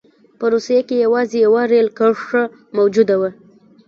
په روسیه کې یوازې یوه رېل کرښه موجوده وه.